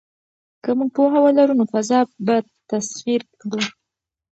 که موږ پوهه ولرو نو فضا به تسخیر کړو.